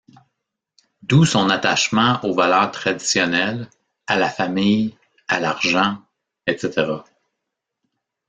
D'où son attachement aux valeurs traditionnelles, à la famille, à l'argent, etc.